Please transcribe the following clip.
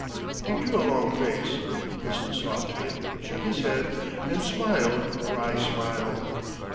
He drew a long face; whistled softly; shook his head; and smiled a wry smile.